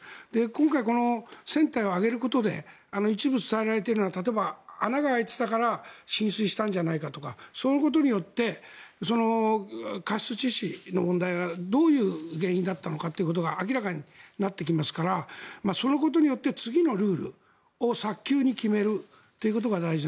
今回、この船体を揚げることで一部伝えられているような例えば、穴が開いていたから浸水したんじゃないかとかそのことによって過失致死の問題がどういう原因だったのかが明らかになってきますからそのことによって次のルールを早急に決めるということが大事。